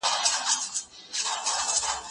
زه پرون سندري اورم وم!.